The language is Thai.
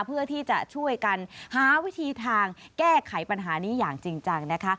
เพื่อที่จะช่วยกันหาวิธีทางแก้ไขปัญหานี้อย่างจริงจังนะคะ